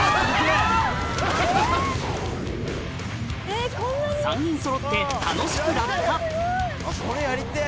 えっ⁉３人そろって楽しく落下これやりてぇ！